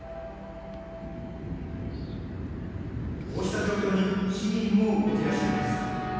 こうした状況に市民も動き出しています。